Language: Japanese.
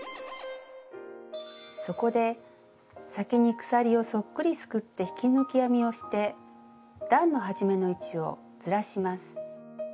そこで先に鎖をそっくりすくって引き抜き編みをして段の始めの位置をずらします。